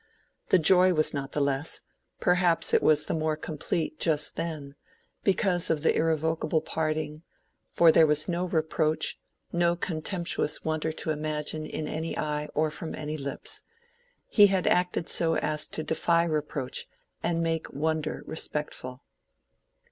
The joy was not the less—perhaps it was the more complete just then—because of the irrevocable parting; for there was no reproach, no contemptuous wonder to imagine in any eye or from any lips. He had acted so as to defy reproach, and make wonder respectful.